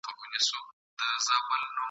که موږ هم پرمځکه پرېږدو خپل د پلونو نښانونه !.